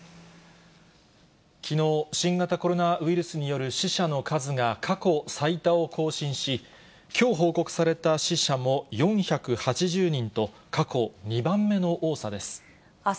きのう、新型コロナウイルスによる死者の数が過去最多を更新し、きょう報告された死者も４８０人と、過去２番目の多さです。